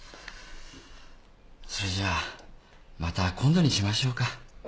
それじゃあまた今度にしましょうか？